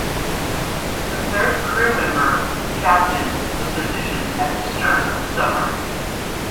The third crew member, the captain, was positioned at the stern of the submarine.